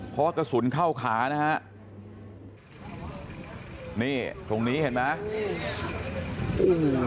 เพราะกระสุนเข้าขานะฮะนี่ตรงนี้เห็นไหม